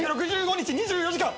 ３６５日２４時間。